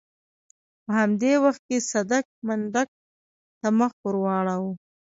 په همدې وخت کې صدک منډک ته مخ واړاوه.